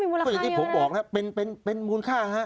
ก็อย่างที่ผมบอกนะครับเป็นมูลค่าฮะ